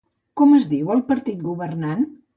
Com és diu el partit governant?